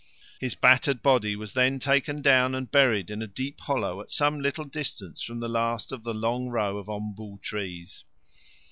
His battered body was then taken down and buried in a deep hollow at some little distance from the last of the long row of ombu trees.